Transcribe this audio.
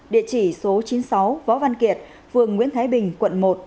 địa chỉ số chín mươi sáu võ văn kiệt phường nguyễn thái bình quận một